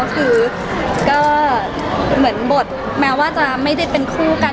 คือก็เหมือนบทแม้ว่าจะไม่ได้เป็นคู่กัน